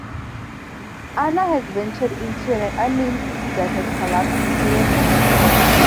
Anna has ventured into an unnamed city that has collapsed into chaos and disorder.